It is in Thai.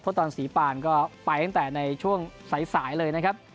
ตอนศรีปานก็ไปตั้งแต่ในช่วงสายเลยนะครับ